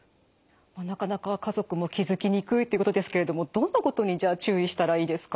なかなか家族も気付きにくいということですけれどもどんなことにじゃあ注意したらいいですか？